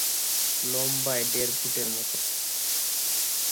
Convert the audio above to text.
লম্বায় দেড় ফুটের মতো।